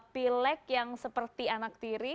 pilek yang seperti anak tiri